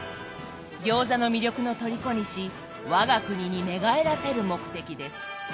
餃子の魅力の虜にし我が国に寝返らせる目的です。